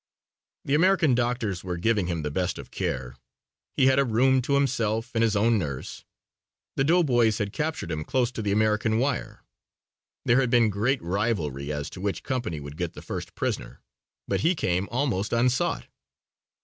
The American doctors were giving him the best of care. He had a room to himself and his own nurse. The doughboys had captured him close to the American wire. There had been great rivalry as to which company would get the first prisoner, but he came almost unsought.